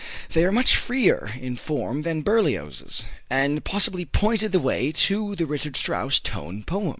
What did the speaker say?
They are much freer in form than Berlioz's, and possibly pointed the way to the Richard Strauss tone poem.